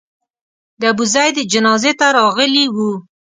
د ابوزید جنازې ته راغلي وو.